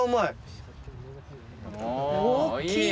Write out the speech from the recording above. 大きい！